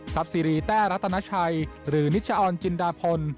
ทรัพย์สิริแต่รัตนชัยหรือนิชาออนจินดาพล